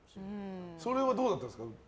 それはどうだったんですか？